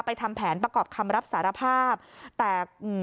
ทำแผนประกอบคำรับสารภาพแต่อืม